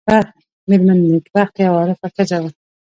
مېرمن نېکبخته یوه عارفه ښځه وه.